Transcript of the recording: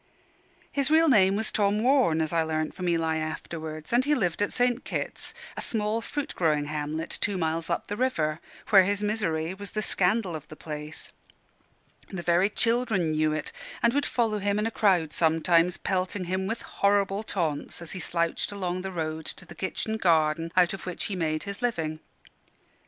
His real name was Tom Warne, as I learnt from Eli afterwards; and he lived at St. Kit's, a small fruit growing hamlet two miles up the river, where his misery was the scandal of the place. The very children knew it, and would follow him in a crowd sometimes, pelting him with horrible taunts as he slouched along the road to the kitchen garden out of which he made his living.